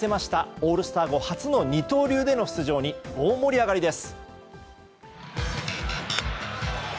オールスター後初の二刀流での出場に大盛り上がりです。